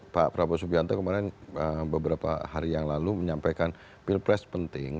pak prabowo subianto kemarin beberapa hari yang lalu menyampaikan pilpres penting